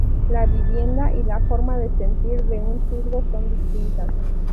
La vivienda y la forma de sentir de un zurdo son distintas.